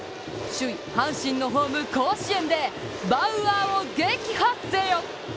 首位・阪神のホーム、甲子園でバウアーを撃破せよ。